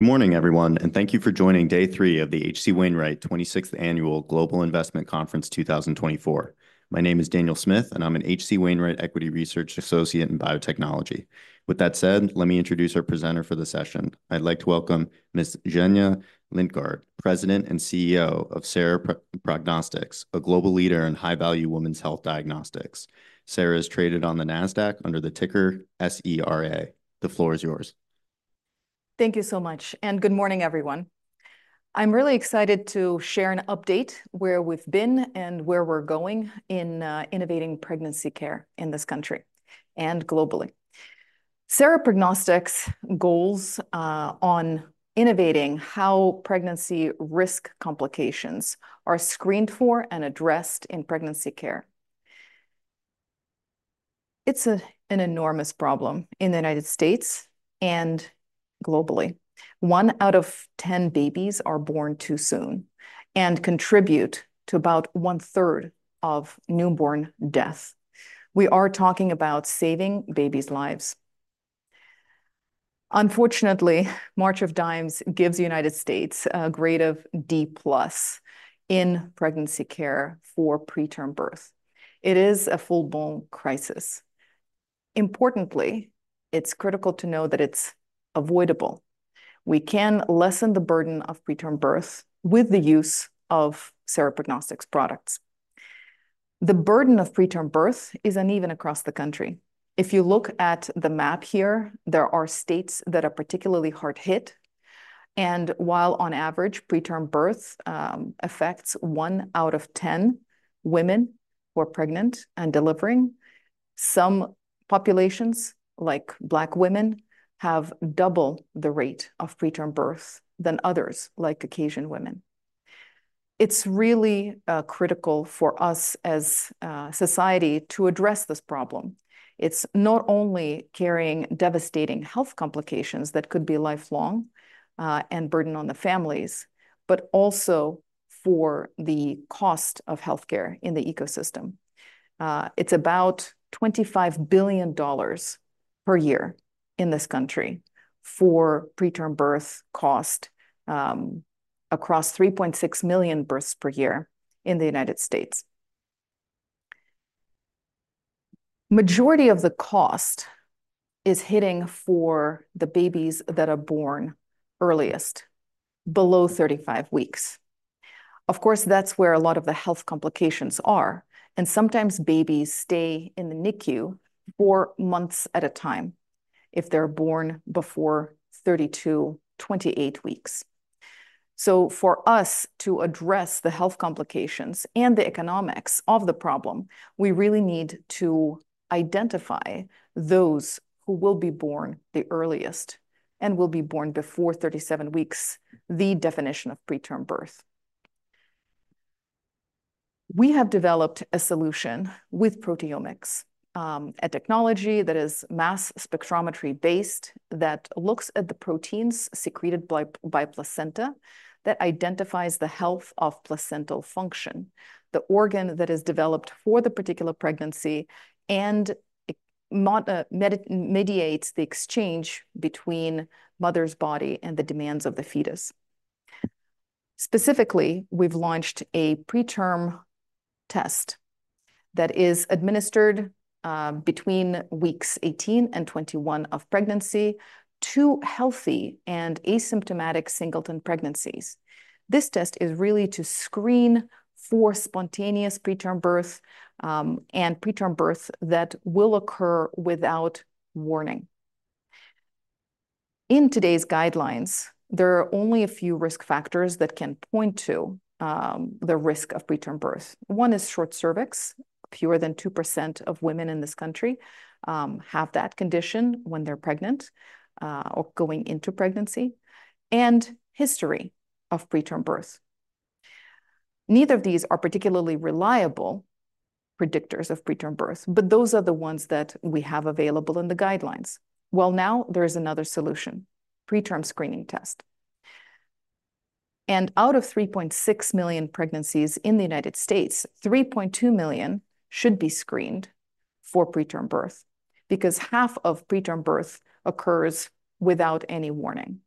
Good morning, everyone, and thank you for joining day three of the H.C. Wainwright twenty-sixth Annual Global Investment Conference 2024. My name is Daniel Smith, and I'm an H.C. Wainwright Equity Research Associate in Biotechnology. With that said, let me introduce our presenter for the session. I'd like to welcome Ms. Zhenya Lindgardt, President and CEO of Sera Prognostics, a global leader in high-value women's health diagnostics. Sera is traded on the Nasdaq under the ticker S-E-R-A. The floor is yours. Thank you so much, and good morning, everyone. I'm really excited to share an update where we've been and where we're going in, innovating pregnancy care in this country and globally. Sera Prognostics focuses on innovating how pregnancy risk complications are screened for and addressed in pregnancy care. It's an enormous problem in the United States and globally. One out of ten babies are born too soon and contribute to about 1/3 of newborn death. We are talking about saving babies' lives. Unfortunately, March of Dimes gives the United States a grade of D+ in pregnancy care for preterm birth. It is a full-blown crisis. Importantly, it's critical to know that it's avoidable. We can lessen the burden of preterm birth with the use of Sera Prognostics products. The burden of preterm birth is uneven across the country. If you look at the map here, there are states that are particularly hard hit, and while on average, preterm birth affects one out of ten women who are pregnant and delivering, some populations, like Black women, have double the rate of preterm birth than others, like Caucasian women. It's really critical for us as society to address this problem. It's not only carrying devastating health complications that could be lifelong and burden on the families, but also for the cost of healthcare in the ecosystem. It's about $25 billion per year in this country for preterm birth cost, across 3.6 million births per year in the United States. Majority of the cost is hitting for the babies that are born earliest, below 35 weeks. Of course, that's where a lot of the health complications are, and sometimes babies stay in the NICU for months at a time if they're born before 32-28 weeks. So for us to address the health complications and the economics of the problem, we really need to identify those who will be born the earliest and will be born before 37 weeks, the definition of preterm birth. We have developed a solution with proteomics, a technology that is mass spectrometry-based, that looks at the proteins secreted by placenta, that identifies the health of placental function, the organ that is developed for the particular pregnancy and it mediates the exchange between mother's body and the demands of the fetus. Specifically, we've launched a PreTRM test that is administered between weeks 18 and 21 of pregnancy to healthy and asymptomatic singleton pregnancies. This test is really to screen for spontaneous preterm birth, and preterm birth that will occur without warning. In today's guidelines, there are only a few risk factors that can point to the risk of preterm birth. One is short cervix. Fewer than 2% of women in this country have that condition when they're pregnant, or going into pregnancy, and history of preterm birth. Neither of these are particularly reliable predictors of preterm birth, but those are the ones that we have available in the guidelines. Now there is another solution, PreTRM screening test. Out of 3.6 million pregnancies in the United States, 3.2 million should be screened for preterm birth, because half of preterm birth occurs without any warning.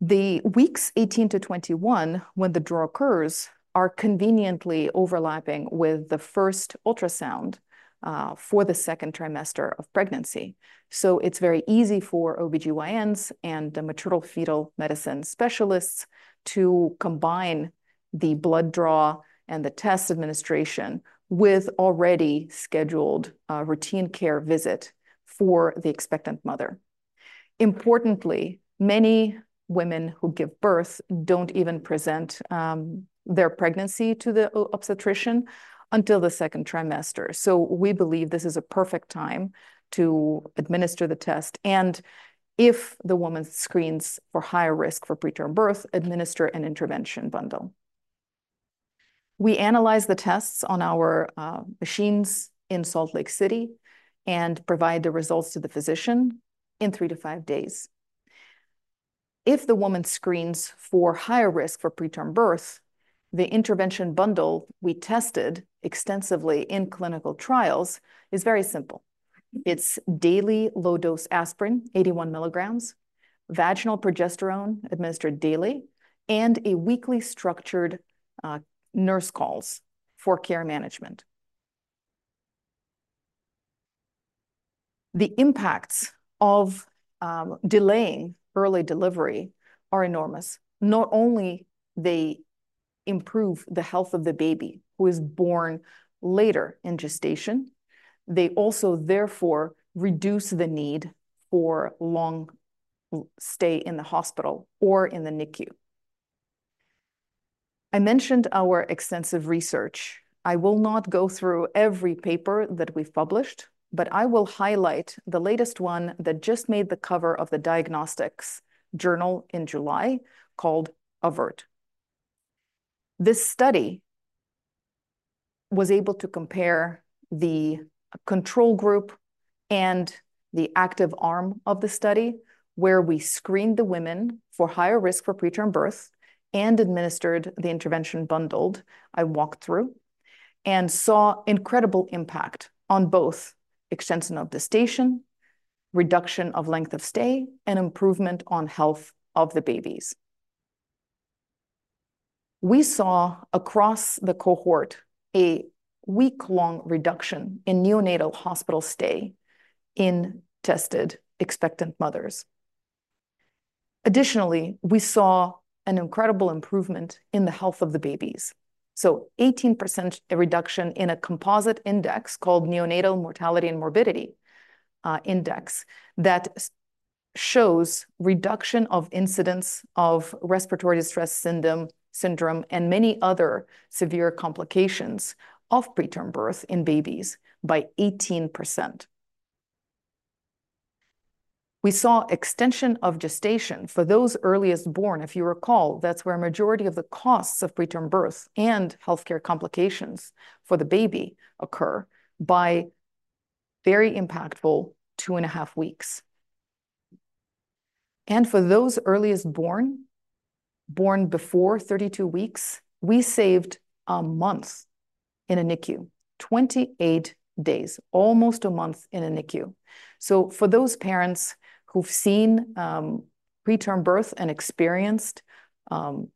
The weeks 18-21, when the draw occurs, are conveniently overlapping with the first ultrasound for the second trimester of pregnancy. So it's very easy for OB-GYNs and the maternal-fetal medicine specialists to combine the blood draw and the test administration with already scheduled routine care visit for the expectant mother. Importantly, many women who give birth don't even present their pregnancy to the obstetrician until the second trimester. So we believe this is a perfect time to administer the test, and if the woman screens for higher risk for preterm birth, administer an intervention bundle. We analyze the tests on our machines in Salt Lake City and provide the results to the physician in three to five days. If the woman screens for higher risk for preterm birth, the intervention bundle we tested extensively in clinical trials is very simple. It's daily low-dose aspirin, 81 mg, vaginal progesterone administered daily, and a weekly structured nurse calls for care management. The impacts of delaying early delivery are enormous. Not only they improve the health of the baby who is born later in gestation, they also therefore reduce the need for long stay in the hospital or in the NICU. I mentioned our extensive research. I will not go through every paper that we've published, but I will highlight the latest one that just made the cover of the Diagnostics journal in July, called AVERT. This study was able to compare the control group and the active arm of the study, where we screened the women for higher risk for preterm birth and administered the intervention bundled I walked through, and saw incredible impact on both extension of gestation, reduction of length of stay, and improvement on health of the babies. We saw across the cohort, a week-long reduction in neonatal hospital stay in tested expectant mothers. Additionally, we saw an incredible improvement in the health of the babies. So 18% reduction in a composite index called neonatal mortality and morbidity index, that shows reduction of incidence of respiratory distress syndrome, and many other severe complications of preterm birth in babies by 18%. We saw extension of gestation for those earliest born. If you recall, that's where a majority of the costs of preterm birth and healthcare complications for the baby occur by very impactful two and a half weeks. For those earliest born, born before 32 weeks, we saved a month in a NICU, 28 days, almost a month in a NICU. So for those parents who've seen preterm birth and experienced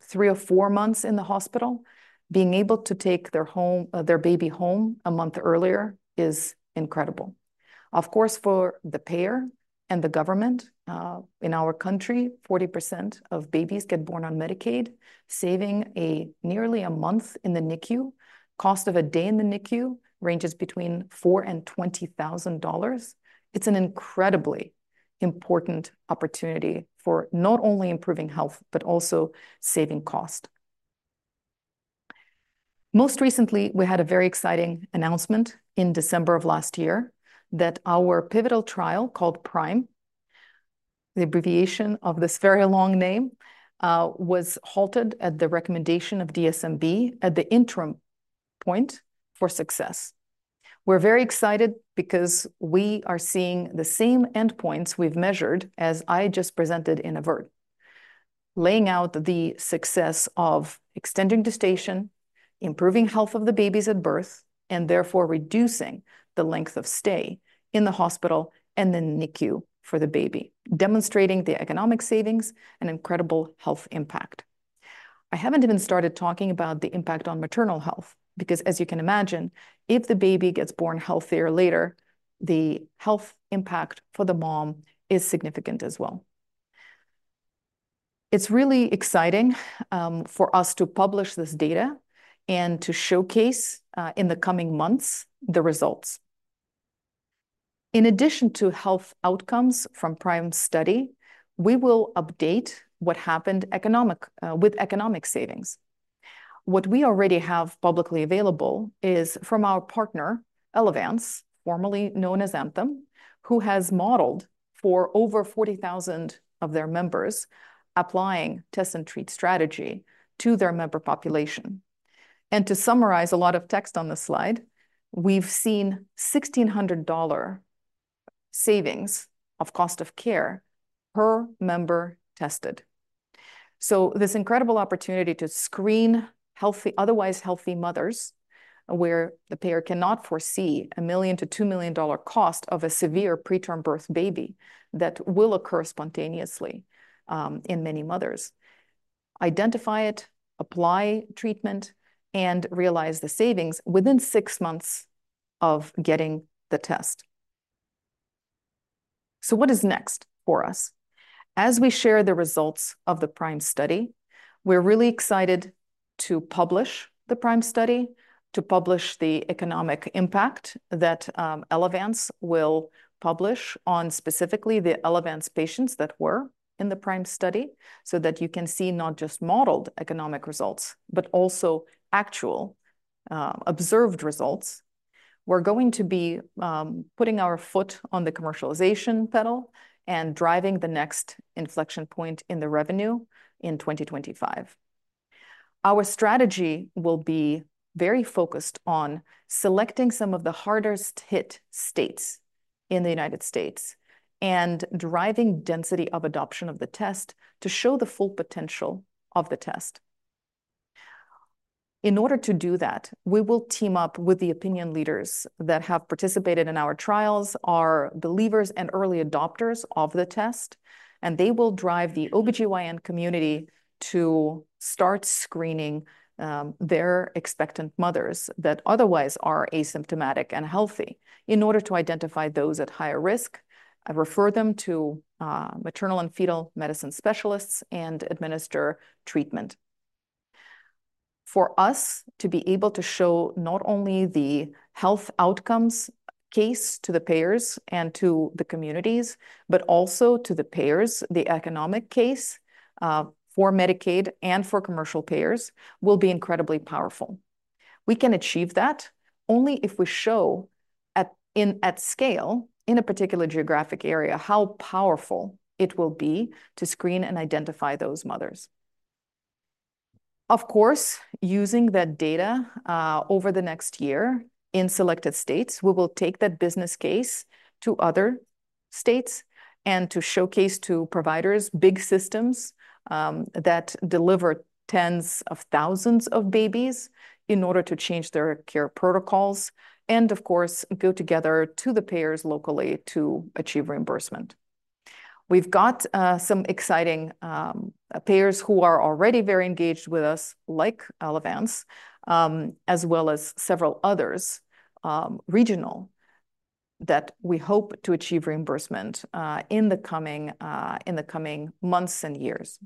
three or four months in the hospital, being able to take their baby home a month earlier is incredible. Of course, for the payer and the government in our country, 40% of babies get born on Medicaid, saving nearly a month in the NICU. Cost of a day in the NICU ranges between $4,000-$20,000. It's an incredibly important opportunity for not only improving health, but also saving cost. Most recently, we had a very exciting announcement in December of last year that our pivotal trial, called PRIME, the abbreviation of this very long name, was halted at the recommendation of DSMB at the interim point for success. We're very excited because we are seeing the same endpoints we've measured as I just presented in AVERT, laying out the success of extending gestation, improving health of the babies at birth, and therefore reducing the length of stay in the hospital and the NICU for the baby, demonstrating the economic savings and incredible health impact. I haven't even started talking about the impact on maternal health, because as you can imagine, if the baby gets born healthier later, the health impact for the mom is significant as well. It's really exciting, for us to publish this data and to showcase, in the coming months, the results. In addition to health outcomes from PRIME study, we will update what happened economic with economic savings. What we already have publicly available is from our partner, Elevance, formerly known as Anthem, who has modeled for over 40,000 of their members, applying test and treat strategy to their member population. And to summarize a lot of text on this slide, we've seen $1,600 savings of cost of care per member tested. So this incredible opportunity to screen healthy, otherwise healthy mothers, where the payer cannot foresee a $1 million-$2 million cost of a severe preterm birth baby that will occur spontaneously in many mothers. Identify it, apply treatment, and realize the savings within six months of getting the test. So what is next for us? As we share the results of the PRIME study, we're really excited to publish the PRIME study, to publish the economic impact that Elevance will publish on specifically the Elevance patients that were in the PRIME study, so that you can see not just modeled economic results, but also actual observed results. We're going to be putting our foot on the commercialization pedal and driving the next inflection point in the revenue in 2025. Our strategy will be very focused on selecting some of the hardest-hit states in the United States and driving density of adoption of the test to show the full potential of the test. In order to do that, we will team up with the opinion leaders that have participated in our trials, are believers and early adopters of the test, and they will drive the OB-GYN community to start screening their expectant mothers that otherwise are asymptomatic and healthy in order to identify those at higher risk and refer them to maternal-fetal medicine specialists and administer treatment. For us to be able to show not only the health outcomes case to the payers and to the communities, but also to the payers, the economic case for Medicaid and for commercial payers will be incredibly powerful. We can achieve that only if we show at scale, in a particular geographic area, how powerful it will be to screen and identify those mothers. Of course, using that data, over the next year in selected states, we will take that business case to other states and to showcase to providers big systems that deliver tens of thousands of babies in order to change their care protocols, and of course, go together to the payers locally to achieve reimbursement. We've got some exciting payers who are already very engaged with us, like Elevance, as well as several others regional that we hope to achieve reimbursement in the coming months and years.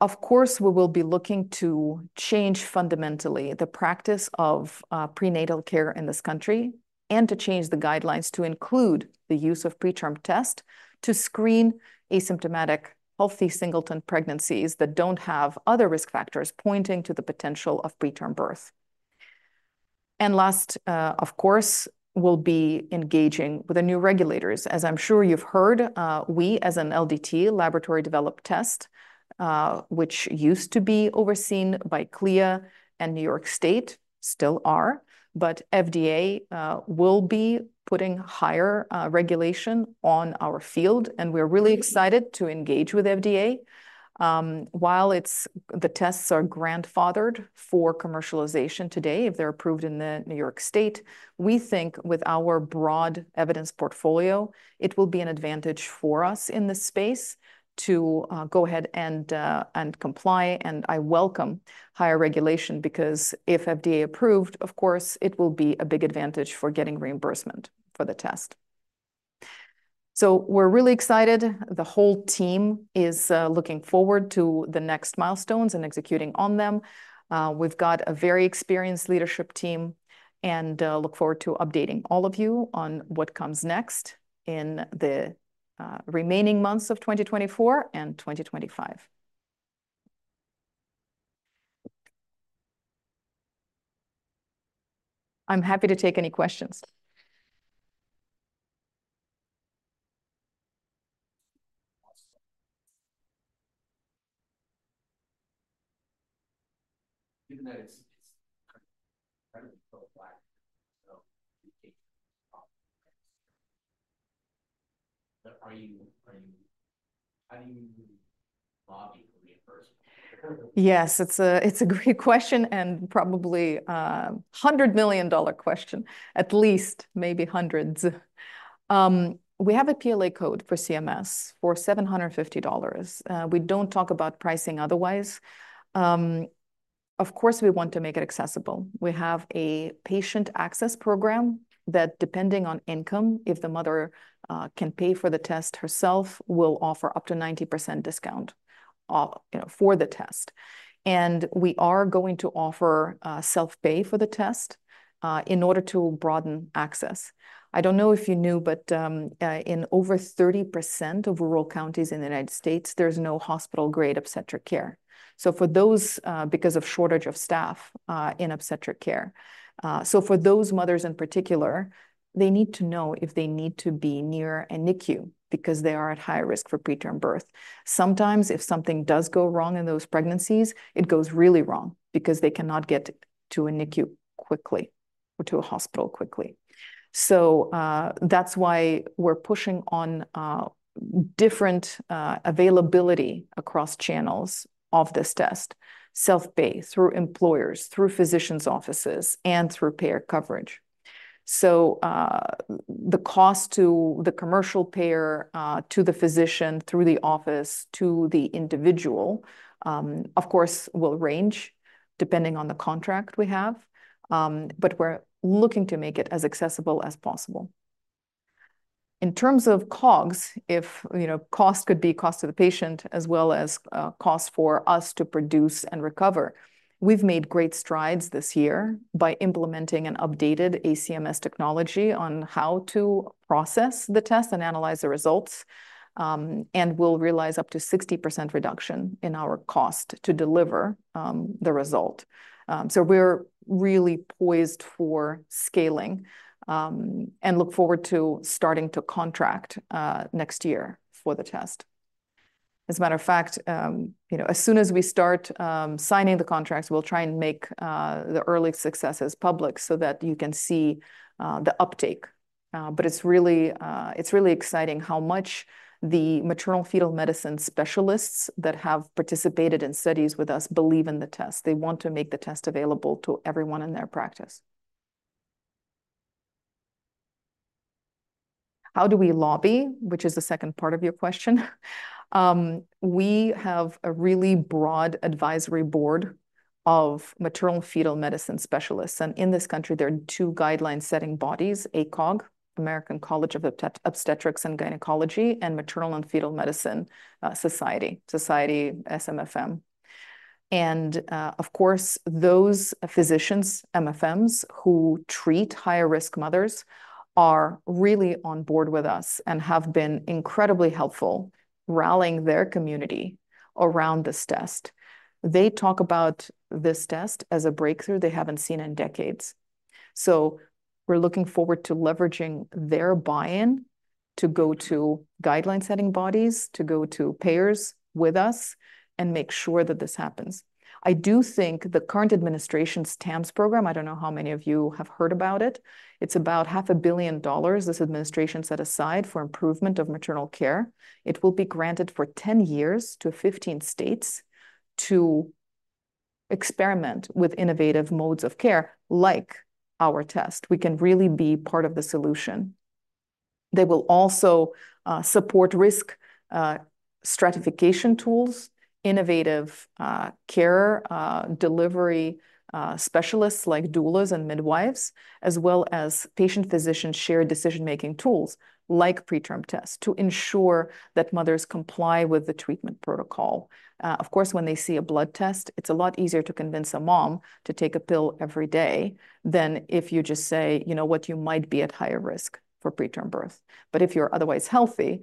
Of course, we will be looking to change fundamentally the practice of prenatal care in this country and to change the guidelines to include the use of PreTRM test to screen asymptomatic, healthy singleton pregnancies that don't have other risk factors pointing to the potential of preterm birth. And last, of course, we'll be engaging with the new regulators. As I'm sure you've heard, we, as an LDT, laboratory developed test, which used to be overseen by CLIA and New York State, still are, but FDA will be putting higher regulation on our field, and we're really excited to engage with FDA. While the tests are grandfathered for commercialization today, if they're approved in New York State, we think with our broad evidence portfolio, it will be an advantage for us in this space to go ahead and comply. And I welcome higher regulation, because if FDA approved, of course, it will be a big advantage for getting reimbursement for the test. So we're really excited. The whole team is looking forward to the next milestones and executing on them. We've got a very experienced leadership team and look forward to updating all of you on what comes next in the remaining months of 2024 and 2025. I'm happy to take any questions. Awesome. Even though it's kind of black, so we take... But are you-- Yes, it's a great question, and probably a hundred million dollar question, at least, maybe hundreds. We have a PLA code for CMS for $750. We don't talk about pricing otherwise. Of course, we want to make it accessible. We have a patient access program that, depending on income, if the mother can pay for the test herself, we'll offer up to 90% discount, you know, for the test. And we are going to offer self-pay for the test in order to broaden access. I don't know if you knew, but in over 30% of rural counties in the United States, there's no hospital-grade obstetric care. So for those because of shortage of staff in obstetric care. So for those mothers in particular, they need to know if they need to be near a NICU because they are at higher risk for preterm birth. Sometimes if something does go wrong in those pregnancies, it goes really wrong because they cannot get to a NICU quickly or to a hospital quickly. So that's why we're pushing on different availability across channels of this test: self-pay, through employers, through physicians' offices, and through payer coverage. So the cost to the commercial payer, to the physician through the office, to the individual, of course, will range depending on the contract we have. But we're looking to make it as accessible as possible. In terms of COGS, you know, cost could be cost to the patient, as well as cost for us to produce and recover, we've made great strides this year by implementing an updated LC-MS technology on how to process the test and analyze the results, and we'll realize up to 60% reduction in our cost to deliver the result, so we're really poised for scaling and look forward to starting to contract next year for the test. As a matter of fact, you know, as soon as we start signing the contracts, we'll try and make the early successes public so that you can see the uptake. But it's really exciting how much the maternal-fetal medicine specialists that have participated in studies with us believe in the test. They want to make the test available to everyone in their practice. How do we lobby? Which is the second part of your question. We have a really broad advisory board of maternal-fetal medicine specialists, and in this country, there are two guideline-setting bodies: ACOG, American College of Obstetricians and Gynecologists, and Maternal-Fetal Medicine Society, SMFM. And, of course, those physicians, MFMs, who treat higher-risk mothers are really on board with us and have been incredibly helpful rallying their community around this test. They talk about this test as a breakthrough they haven't seen in decades. So we're looking forward to leveraging their buy-in to go to guideline-setting bodies, to go to payers with us and make sure that this happens. I do think the current administration's TMaH program, I don't know how many of you have heard about it. It's about $500 million this administration set aside for improvement of maternal care. It will be granted for 10 years to 15 states to experiment with innovative modes of care, like our test. We can really be part of the solution. They will also support risk stratification tools, innovative care delivery specialists like doulas and midwives, as well as patient-physician shared decision-making tools, like PreTRM test, to ensure that mothers comply with the treatment protocol. Of course, when they see a blood test, it's a lot easier to convince a mom to take a pill every day than if you just say, "You know what? You might be at higher risk for preterm birth." But if you're otherwise healthy,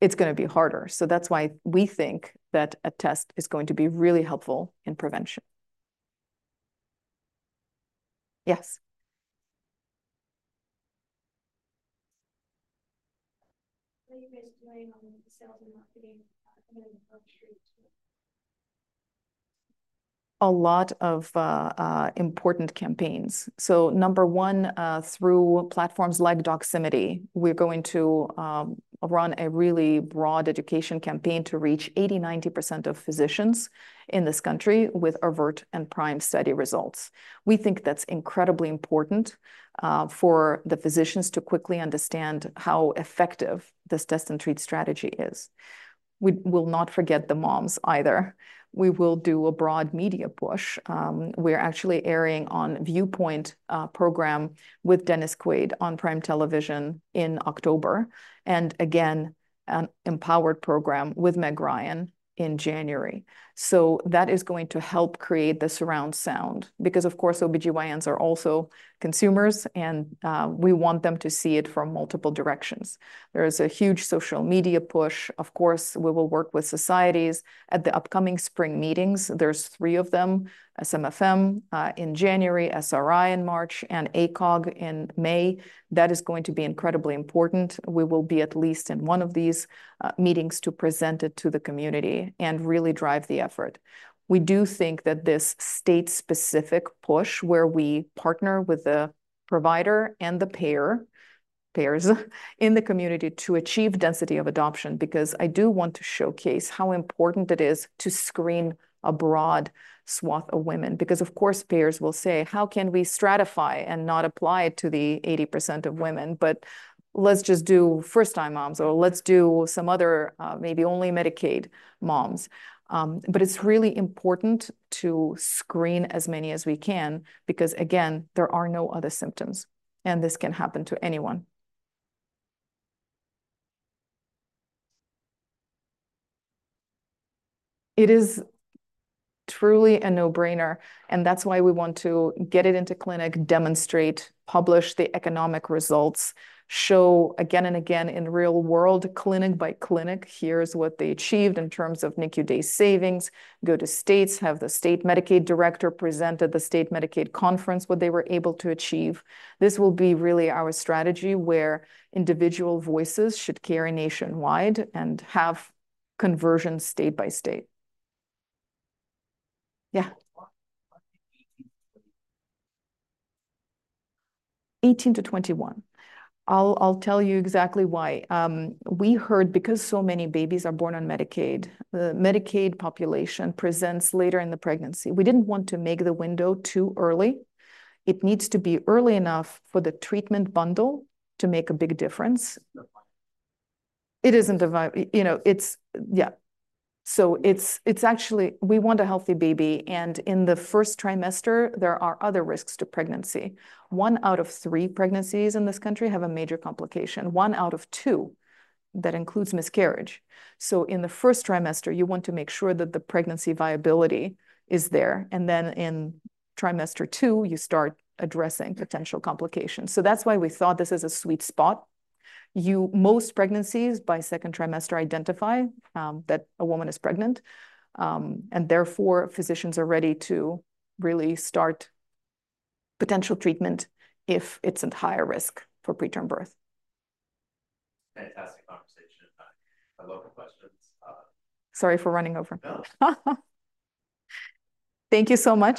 it's gonna be harder. So that's why we think that a test is going to be really helpful in prevention. Yes? What are you guys doing on the sales and marketing, and then function too? A lot of important campaigns. So number one, through platforms like Doximity, we're going to run a really broad education campaign to reach 80%-90% of physicians in this country with AVERT and PRIME study results. We think that's incredibly important for the physicians to quickly understand how effective this test and treat strategy is. We will not forget the moms either. We will do a broad media push. We're actually airing on Viewpoint program with Dennis Quaid on prime television in October, and again, an Empowered program with Meg Ryan in January. So that is going to help create the surround sound because, of course, OB-GYNs are also consumers, and we want them to see it from multiple directions. There is a huge social media push. Of course, we will work with societies at the upcoming spring meetings. There's three of them: SMFM in January, SRI in March, and ACOG in May. That is going to be incredibly important. We will be at least in one of these meetings to present it to the community and really drive the effort. We do think that this state-specific push, where we partner with the provider and the payer, payers, in the community to achieve density of adoption, because I do want to showcase how important it is to screen a broad swath of women, because, of course, payers will say, "How can we stratify and not apply it to the 80% of women? But let's just do first-time moms, or let's do some other, maybe only Medicaid moms." But it's really important to screen as many as we can because, again, there are no other symptoms, and this can happen to anyone. It is truly a no-brainer, and that's why we want to get it into clinics, demonstrate, publish the economic results, show again and again in real world, clinic by clinic, here's what they achieved in terms of NICU day savings. Go to states, have the state Medicaid director present at the state Medicaid conference what they were able to achieve. This will be really our strategy, where individual voices should carry nationwide and have conversations state by state. Yeah. 18-21. I'll tell you exactly why. We heard because so many babies are born on Medicaid, the Medicaid population presents later in the pregnancy. We didn't want to make the window too early. It needs to be early enough for the treatment bundle to make a big difference. You know, it's, yeah. So it's actually. We want a healthy baby, and in the first trimester, there are other risks to pregnancy. One out of three pregnancies in this country have a major complication, one out of two, that includes miscarriage. So in the first trimester, you want to make sure that the pregnancy viability is there, and then in trimester two, you start addressing potential complications. So that's why we thought this is a sweet spot. Most pregnancies, by second trimester, identify that a woman is pregnant, and therefore, physicians are ready to really start potential treatment if it's at higher risk for preterm birth. Fantastic conversation. I love the questions. Sorry for running over. No. Thank you so much.